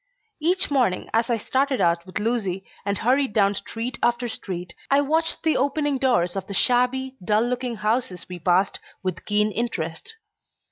Each morning as I started out with Lucy, and hurried down street after street, I watched the opening doors of the shabby, dull looking houses we passed with keen interest.